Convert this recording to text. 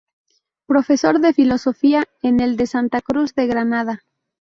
Profesor de Filosofía en el de Santa Cruz, de Granada.